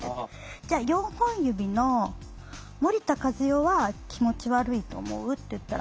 「じゃあ４本指の森田かずよは気持ち悪いと思う？」って言ったら。